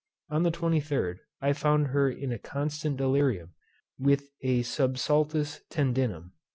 On the 23d I found her in a constant delirium, with a subsultus tendinum.